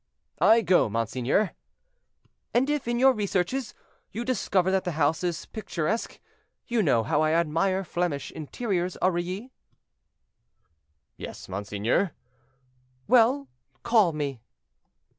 "I go, monseigneur." "And if, in your researches, you discover that the house is picturesque—you know how I admire Flemish interiors, Aurilly." "Yes, monseigneur." "Well! call me."